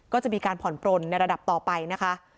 ก็จะมีการผ่อนปลนในระดับต่อไปนะคะ